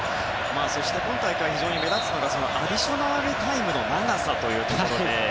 そして今大会非常に目立つのがアディショナルタイムの長さというところで。